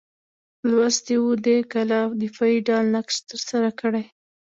لوستي وو دې کلا دفاعي ډال نقش ترسره کړی.